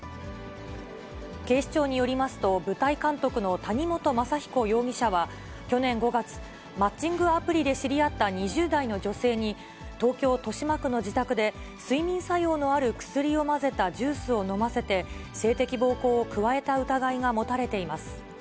警視庁によりますと、舞台監督の谷本雅彦容疑者は去年５月、マッチングアプリで知り合った２０代の女性に、東京・豊島区の自宅で、睡眠作用のある薬を混ぜたジュースを飲ませて、性的暴行を加えた疑いが持たれています。